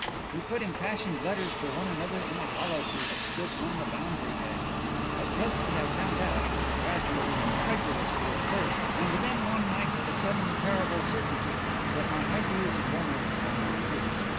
We put impassioned letters for one another in a hollow tree that stood on the boundary hedge. But presently I found out gradually and incredulously at first and then one night with a sudden terrible certainty that my ideas of romance were not his....